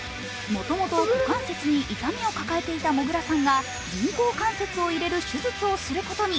もともと股関節に痛みを抱えていたもぐらさんが人工関節を入れる手術を入れることに。